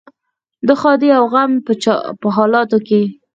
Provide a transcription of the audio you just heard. د ښادۍ او غم په حالاتو کې.